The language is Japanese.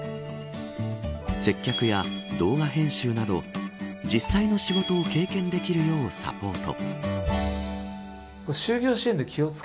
接客や動画編集など実際の仕事を経験できるようサポート。